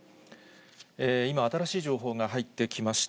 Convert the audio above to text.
今、新しい情報が入ってきました。